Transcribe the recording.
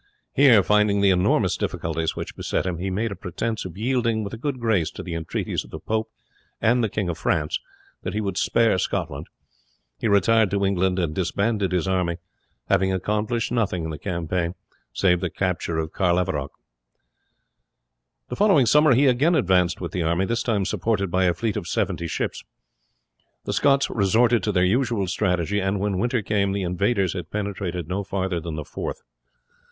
Here, finding the enormous difficulties which beset him, he made a pretence of yielding with a good grace to the entreaties of the pope and the King of France that he would spare Scotland; he retired to England and disbanded his army, having accomplished nothing in the campaign save the capture of Carlaverock. The following summer he again advanced with the army, this time supported by a fleet of seventy ships. The Scots resorted to their usual strategy, and, when winter came, the invaders had penetrated no further than the Forth.